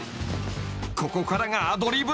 ［ここからがアドリブ］